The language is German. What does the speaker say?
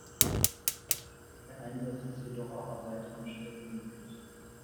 Der Einsatz ist jedoch auch an weiteren Stellen möglich.